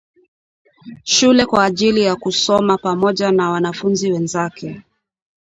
shule kwa ajili ya kusoma pamoja na wanafunzi wenzake